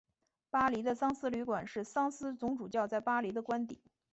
巴黎的桑斯旅馆是桑斯总主教在巴黎的官邸。